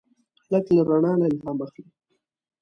هلک له رڼا نه الهام اخلي.